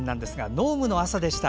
濃霧の朝でした。